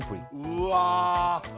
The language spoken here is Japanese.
うわ